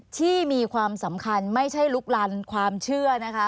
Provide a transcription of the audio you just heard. ที่มีความสำคัญไม่ใช่ลุกลันความเชื่อนะคะ